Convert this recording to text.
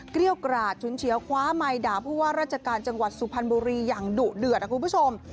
เกรี้ยวกราดฉุนเฉียวคว้าไมค์ด่าผู้ว่าราชการจังหวัดสุพรรณบุรีอย่างดุเดือดคุณผู้ชม